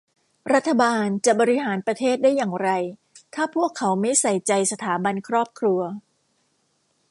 รัฐบาลจะบริหารประเทศได้อย่างไรถ้าพวกเขาไม่ใส่ใจสถาบันครอบครัว